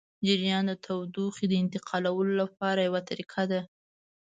جریان د تودوخې د انتقالولو لپاره یوه طریقه ده.